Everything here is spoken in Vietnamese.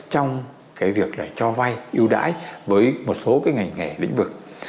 trong cái việc là cho vay ưu đãi với một số cái ngành nghề lĩnh vực